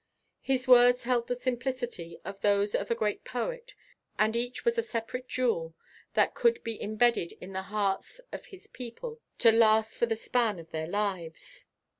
His words held the simplicity of those of a great poet and each was a separate jewel that could be imbedded in the hearts of his people to last for the span of their lives.